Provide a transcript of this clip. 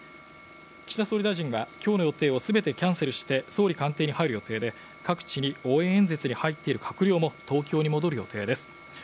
岸田総理大臣は今日の予定を全てキャンセルして総理官邸に入る予定で各地に応援演説に入っている閣僚も東京に戻る予定です。